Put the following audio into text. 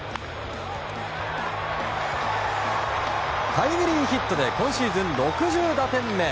タイムリーヒットで今シーズン６０打点目。